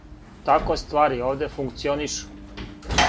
Тако ствари овде функционишу.